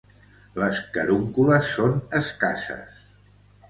Les carúncules són escasses.